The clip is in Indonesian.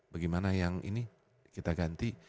bagaimana yang ini kita ganti